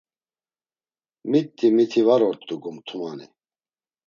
Mitti miti var ort̆u gomtumani.